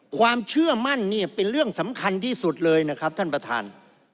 ความเชื่อมั่นเนี่ยเป็นเรื่องสำคัญที่สุดเลยนะครับท่านประธาน